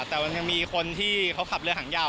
แต่มันยังมีคนที่เขาขับเรือหางยาว